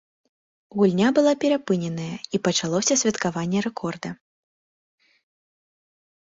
Гульня была перапыненая, і пачалося святкаванне рэкорда.